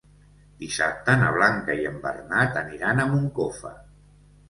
Dissabte na Blanca i en Bernat aniran a Moncofa.